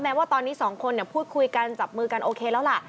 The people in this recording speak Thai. ว่าตอนนี้สองคนพูดคุยกันจับมือกันโอเคแล้วล่ะ